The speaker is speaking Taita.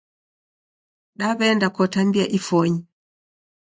Daweenda kota mbia ifonyi